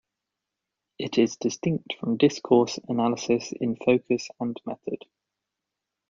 It is distinct from discourse analysis in focus and method.